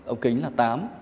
ống kính là tám